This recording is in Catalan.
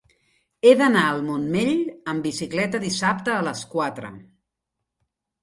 He d'anar al Montmell amb bicicleta dissabte a les quatre.